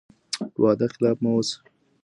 وعده خلاف مه اوسئ.